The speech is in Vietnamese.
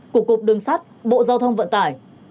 của cục đường sát bộ giao thông vận tải